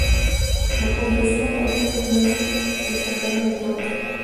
Las puntuaciones aparecerán al final del pentagrama de tonos.